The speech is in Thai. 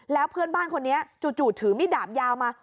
แล้วเพื่อนบ้านคนนี้จู่ถือมิดดาบยาวมา